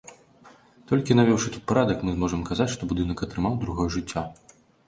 Толькі навёўшы тут парадак, мы зможам казаць, што будынак атрымаў другое жыццё.